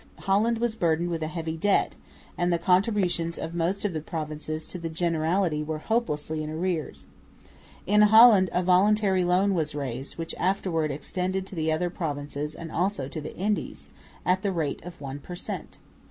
Holland was burdened with a heavy debt; and the contributions of most of the provinces to the Generality were hopelessly in arrears. In Holland a "voluntary loan" was raised, which afterwards extended to the other provinces and also to the Indies, at the rate of 1 per cent.